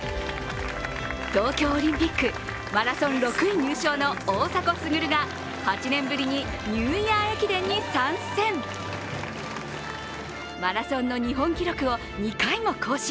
東京オリンピックマラソン６位入賞の大迫傑が８年ぶりにニューイヤー駅伝に参戦マラソンの日本記録を２回も更新。